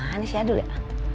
anis ya dulu ya